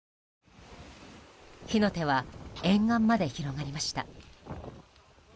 火の手は沿岸まで広がりました。